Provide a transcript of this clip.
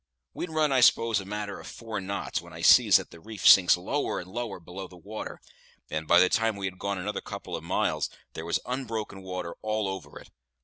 We'd run, I s'pose, a matter of four knots, when I sees that the reef sinks lower and lower below the water; and by the time that we had gone another couple of miles, there was unbroken water all over it.